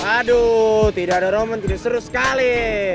aduh tidak ada roman tidak seru sekali